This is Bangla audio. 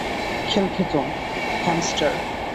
খেল খতম, হ্যামস্টার।